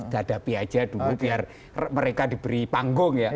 dadapi aja dulu biar mereka diberi panggung ya